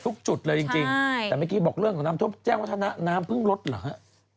ทุกจุดเลยจริงแต่เมื่อกี้บอกเรื่องของน้ำทุกข์แจ้งว่าถ้าน้ำเพิ่งลดหรือ